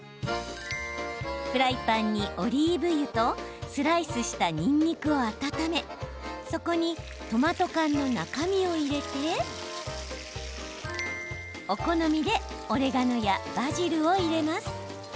フライパンにオリーブ油とスライスした、にんにくを温めそこにトマト缶の中身を入れてお好みでオレガノやバジルを入れます。